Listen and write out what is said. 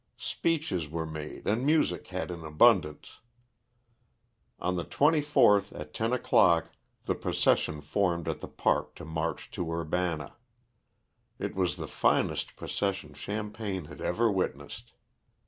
Speeches were made and music had in abundance. On the 24th, at 10 o'clock, the procession formed at the park to march to Urbana. It was the finest procession Champaign has ever witnessed.